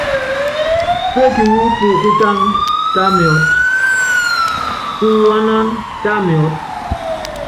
Péeki wú pukútáná, tá miɔ́t, puwaánáná, tá miɔ́t.